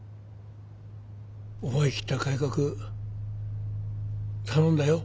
思い切った改革頼んだよ。